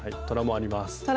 トラもあります。